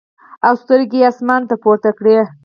او سترګې ئې اسمان ته پورته کړې ـ